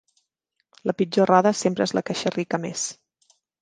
La pitjor roda sempre es la que xerrica més.